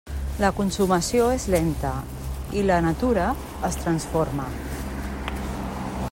La consumació és lenta, i la natura es transforma.